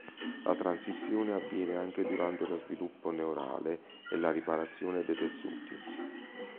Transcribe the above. La transizione avviene anche durante lo sviluppo neurale e la riparazione dei tessuti.